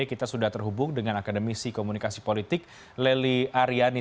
kita sudah terhubung dengan akademisi komunikasi politik leli aryani